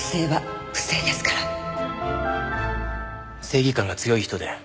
正義感が強い人で。